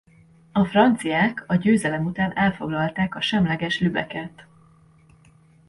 A franciák a győzelem után elfoglalták a semleges Lübecket.